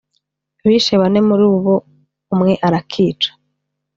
Bishe bane muri bo umwe arakica